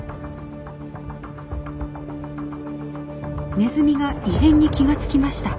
ネズミが異変に気が付きました。